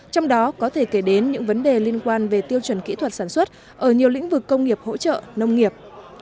trong đó có thể kể đến những vấn đề liên quan về tiêu chuẩn kỹ thuật sản xuất ở nhiều lĩnh vực công nghiệp hỗ trợ nông nghiệp